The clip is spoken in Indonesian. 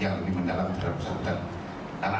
yang lebih mendalam terhadap kesangkutan